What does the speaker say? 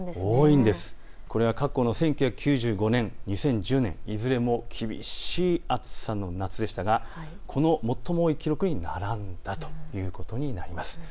これは過去の１９９５年、２０１０年、いずれも厳しい暑さの夏でしたがこの最も多い記録に並んだということになります。